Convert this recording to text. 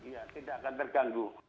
ya tidak akan terganggu